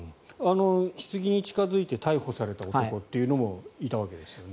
ひつぎに近付いて逮捕された男というのもいたわけですよね。